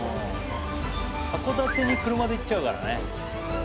函館に車で行っちゃうからね。